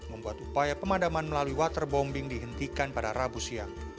membuat upaya pemadaman melalui waterbombing dihentikan pada rabu siang